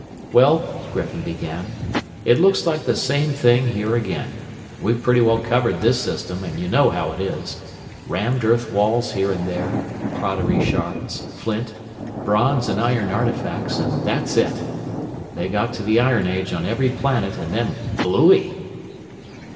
"Well," Griffin began, "it looks like the same thing here again. We've pretty well covered this system and you know how it is. Rammed earth walls here and there, pottery shards, flint, bronze and iron artifacts and that's it. They got to the iron age on every planet and then blooey."